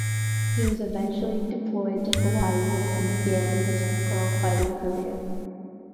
He was eventually deployed to Hawaii where he began his pro fighting career.